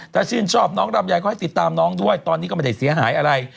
ถ้าชื่นชอบน้องลำไยก็ให้ติดตามน้องด้วยตอนนี้ก็ไม่ได้เสียหายอะไร